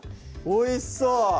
おいしそう！